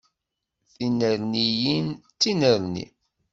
Tinerniyin d tinerni.